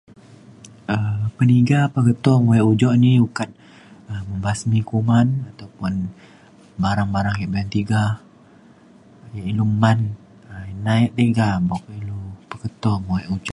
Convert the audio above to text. um peniga pengeto muek ujok ni ukat um membasmi kuman ataupun barang barang yak be’un tiga ilu man ina yak tiga buka ilu peketo muek ujok